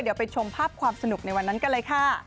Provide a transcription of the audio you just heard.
เดี๋ยวไปชมภาพความสนุกในวันนั้นกันเลยค่ะ